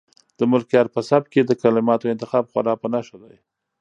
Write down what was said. د ملکیار په سبک کې د کلماتو انتخاب خورا په نښه دی.